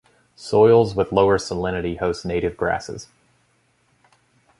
Soils with lower salinity host native grasses.